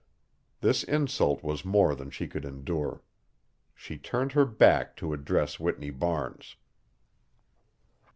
This insult was more than she could endure. She turned her back to address Whitney Barnes.